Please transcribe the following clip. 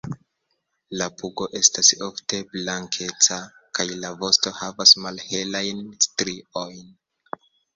La pugo estas ofte blankeca kaj la vosto havas malhelajn striojn.